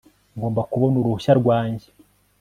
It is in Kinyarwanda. ngomba kubona uruhushya rwanjye